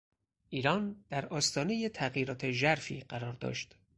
ایران در آستانهی تغییرات ژرفی قرار داشت.